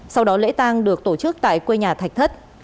sau đó lễ tang được tổ chức tại quê nhà thạch thất